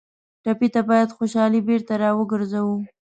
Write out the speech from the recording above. ټپي ته باید خوشالي بېرته راوګرځوو.